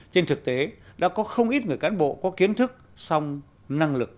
trên thực tế đã có không ít người cán bộ có kiến thức song năng lực